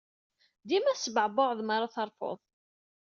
Dima tesbeɛbuɛeḍ mi ara terfuḍ.